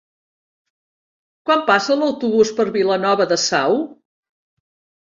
Quan passa l'autobús per Vilanova de Sau?